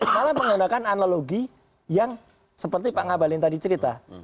malah menggunakan analogi yang seperti pak ngabalin tadi cerita